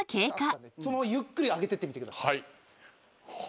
ゆっくり上げてみてください。